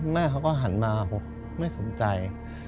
แม่เขาก็หันมาไม่สนใจ